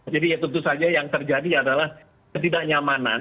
jadi ya tentu saja yang terjadi adalah ketidaknyamanan